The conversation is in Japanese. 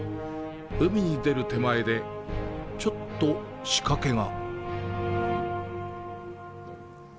海に出る手前で、ちょっと仕掛けが。